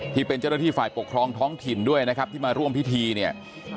ที่เป็นเจ้าหน้าที่ฝ่ายปกครองท้องถิ่นด้วยนะครับที่มาร่วมพิธีเนี่ย